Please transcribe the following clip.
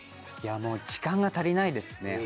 もう時間が足りないですね。